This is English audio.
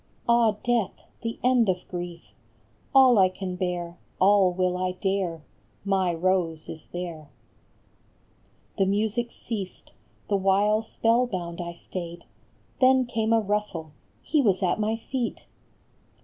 Ah, death, the end of grief ! All I can bear, all will I dare ! My Rose is there !" The music ceased, the while spell bound I stayed ; Then came a rustle, he was at my feet